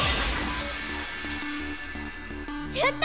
やった！